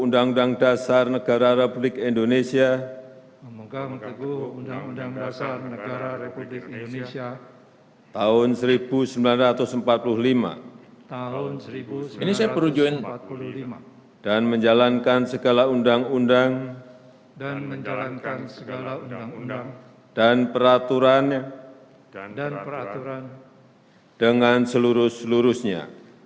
lagu kebangsaan indonesia raya